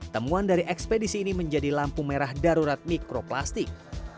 temuan dari ekspedisi ini menjadi lampu merah darurat mikroplastik